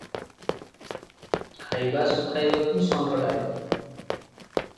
ଖାଇବା ଖୁଆଇବାକୁ ଷଣ୍ଢଟାଏ ।